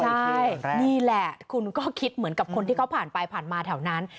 ใช่นี่แหละคุณก็คิดเหมือนกับคนที่เขาผ่านไปผ่านมาแถวนั้น